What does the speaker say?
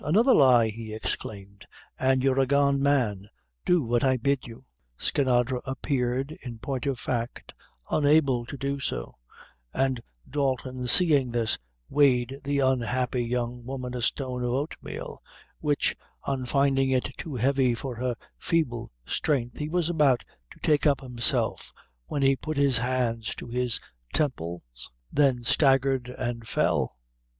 "Another lie," he exclaimed, "and you'r a gone man. Do what I bid you." Skinadre appeared, in point of fact, unable to do so, and Dalton seeing this, weighed the unhappy young woman a stone of oatmeal, which, on finding it too heavy for her feeble strength, he was about to take up himself when he put his hands to his temples, then staggered and fell.